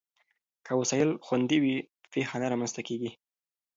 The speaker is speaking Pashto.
که وسایل خوندي وي، پېښه نه رامنځته کېږي.